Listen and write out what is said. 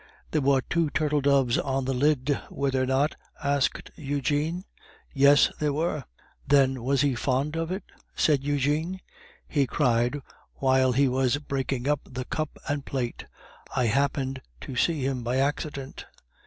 "There were two turtle doves on the lid, were there not?" asked Eugene. "Yes, that there were." "Then, was he fond of it?" said Eugene. "He cried while he was breaking up the cup and plate. I happened to see him by accident."